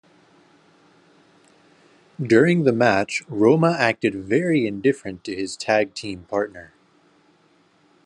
During the match, Roma acted very indifferent to his tag team partner.